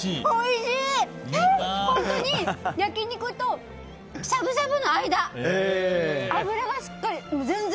本当に焼き肉としゃぶしゃぶの間。